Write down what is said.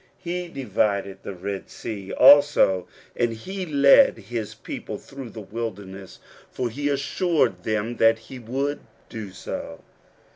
He divided the Red Sea also, and he led his people through the wilderness, for he assured them that he would do so.